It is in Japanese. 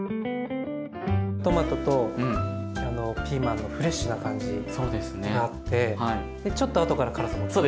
トマトとピーマンのフレッシュな感じがあってでちょっと後から辛さも来て。